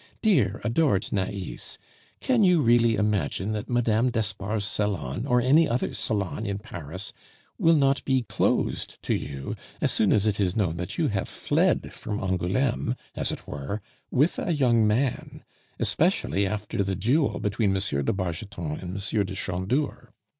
Dear adored Nais, can you really imagine that Mme. d'Espard's salon, or any other salon in Paris, will not be closed to you as soon as it is known that you have fled from Angouleme, as it were, with a young man, especially after the duel between M. de Bargeton and M. de Chandour?